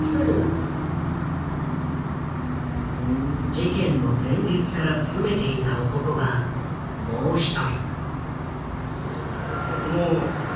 事件の前日から詰めていた男がもう一人。